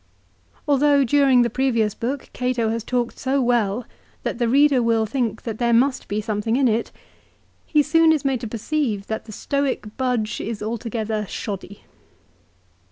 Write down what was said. Although during the previous book Cato has talked so well that the reader will think that there must be something in it, he soon is made to perceive that the Stoic budge is altogether shoddy.